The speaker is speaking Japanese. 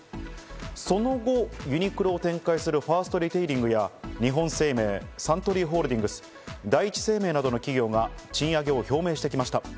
その後、ユニクロを展開するファーストリテイリングや日本生命、サントリーホールディングス、第一生命などの企業が賃上げを表明してきました。